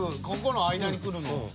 ここの間にくるの。